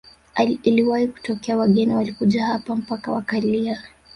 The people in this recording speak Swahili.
Iliwahi kutokea wageni walikuja hapa mpaka wakalia